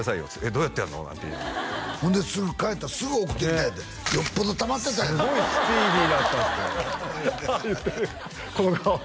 「どうやってやるの？」なんてほんで帰ったらすぐ送ってきたいうてよっぽどたまってたすごいスピーディーだったって言ってるこの顔